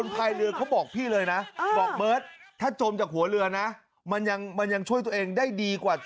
เหลือกู้ภัยครับเหลือกู้ภัยครับช่วยหน่อยครับ